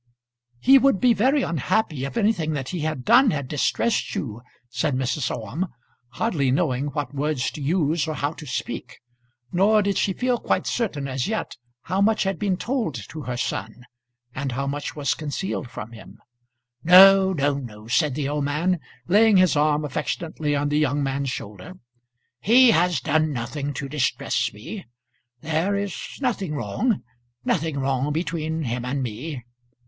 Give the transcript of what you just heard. "He would be very unhappy if anything that he had done had distressed you," said Mrs. Orme, hardly knowing what words to use, or how to speak. Nor did she feel quite certain as yet how much had been told to her son, and how much was concealed from him. "No, no, no," said the old man, laying his arm affectionately on the young man's shoulder. "He has done nothing to distress me. There is nothing wrong nothing wrong between him and me.